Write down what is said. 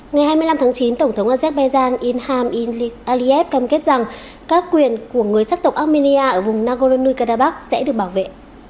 ngày hai mươi năm tháng chín tổng thống azerbaijan inham illi aliyev cam kết rằng các quyền của người sắc tộc armenia ở vùng nagorno karabakh sẽ được bảo vệ